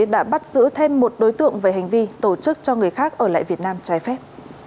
đã bắt giữ thêm một đối tượng về hành vi tổ chức cho người khác ở lại việt nam trái phép